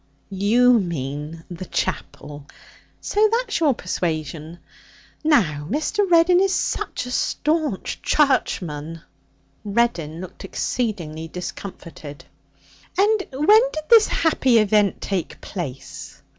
'You mean the chapel. So that's your persuasion. Now Mr. Reddin is such a sta'nch Charchman.' Reddin looked exceedingly discomfited. 'And when did this happy event take place?'